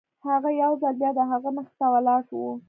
هغه يو ځل بيا د هغه مخې ته ولاړ و.